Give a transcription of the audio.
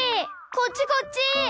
こっちこっち！